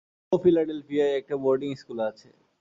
ও ফিলাডেলফিয়ায় একটা বোর্ডিং স্কুলে আছে।